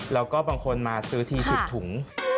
แล้วก็บางคนมาซื้อที๑๐ถุง